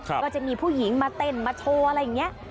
ก็จะมีผู้หญิงมาเต้นมาโชว์อะไรอย่างนี้